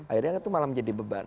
akhirnya itu malah menjadi beban